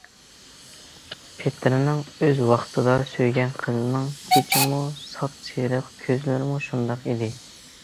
پېتىرنىڭ ئۆز ۋاقتىدا سۆيگەن قىزىنىڭ چېچىمۇ ساپسېرىق، كۆزلىرىمۇ شۇنداق ئىدى.